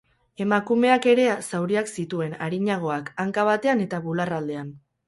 Emakumeak ere zauriak zituen, arinagoak, hanka batean eta bularraldean.